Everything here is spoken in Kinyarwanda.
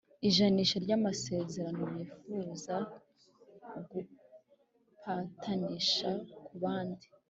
ijanisha ry amasezerano bifuza gupatanisha ku bandi